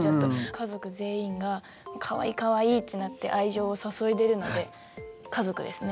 家族全員がかわいいかわいいってなって愛情を注いでいるので家族ですね。